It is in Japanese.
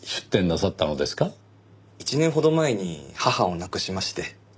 １年ほど前に母を亡くしまして。